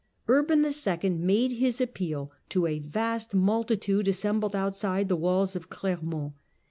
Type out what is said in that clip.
Urban II. The First made his appeal to a vast multitude, assembled outside preached the walls of Clermont.